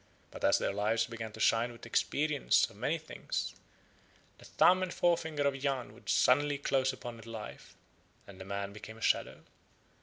But as their Lives began to shine with experience of many things, the thumb and forefinger of Yahn would suddenly close upon a Life, and the man became a shadow.